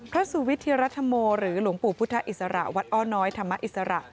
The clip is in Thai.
สุวิทธิรัฐโมหรือหลวงปู่พุทธอิสระวัดอ้อน้อยธรรมอิสระ